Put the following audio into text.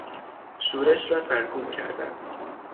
شورش را سرکوب کردن